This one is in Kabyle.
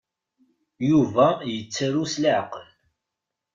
Yuba yettaru s leɛqel.